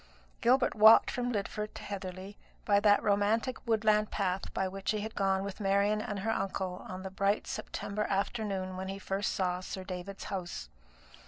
Gilbert walked from Lidford to Heatherly by that romantic woodland path by which he had gone with Marian and her uncle on the bright September afternoon when he first saw Sir David's house.